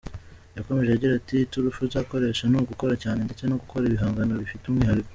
Yakomeje agira ati” Iturufu nzakoresha ni ugukora cyane ndetse no gukora ibihangano bifite umwihariko.